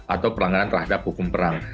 atau pelanggaran terhadap hukum perang